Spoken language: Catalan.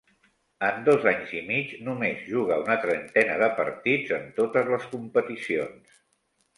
En dos anys i mig, només juga una trentena de partits en totes les competicions.